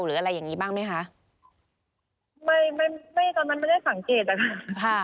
หรืออะไรอย่างงี้บ้างไหมคะไม่ไม่ไม่ตอนนั้นไม่ได้สังเกตอะค่ะค่ะ